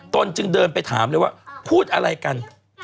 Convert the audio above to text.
ตนจึงเดินไปถามเลยว่าพูดอะไรกัน